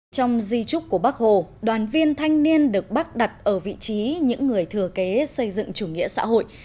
trong di trúc của bác hồ đoàn viên thanh niên được bác đặt ở vị trí những người thừa kế xây dựng chủ nghĩa xã hội